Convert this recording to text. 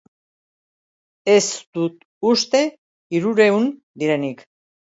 Ez dut uste hirurehun direnik.